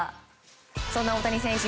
そんな大谷選手